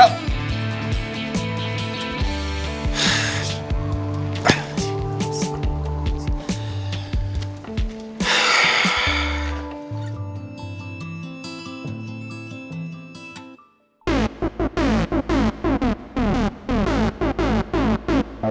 aku gak suka